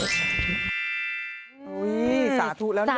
สาธุแล้วนะ